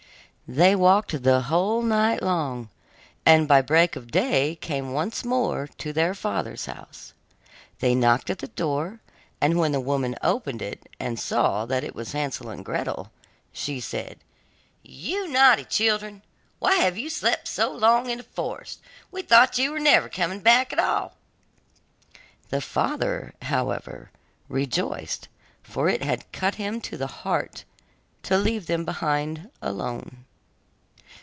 They walked the whole night long, and by break of day came once more to their father's house. They knocked at the door, and when the woman opened it and saw that it was Hansel and Gretel, she said: 'You naughty children, why have you slept so long in the forest? we thought you were never coming back at all!' The father, however, rejoiced, for it had cut him to the heart to leave them behind alone.